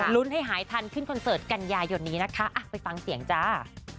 ให้หายทันขึ้นคอนเสิร์ตกันยายนนี้นะคะไปฟังเสียงจ้า